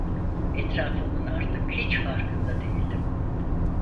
Etrafımın artık hiç farkında değildim.